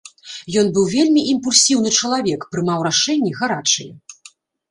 Ён быў вельмі імпульсіўны чалавек, прымаў рашэнні гарачыя.